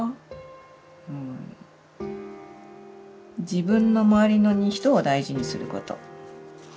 「自分のまわりの人を大事にすること」。